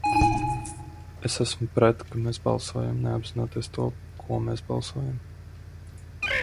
Es esmu pret, ka mēs balsojam, neapzinoties to, ko mēs balsojam.